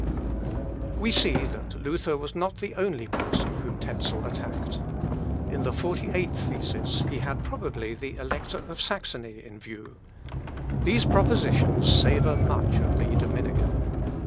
We see that Luther was not the only person whom Tezel attacked. In the forty eighth thesis he had probably the Elector of Saxony in view. These propositions savour much of the Dominican.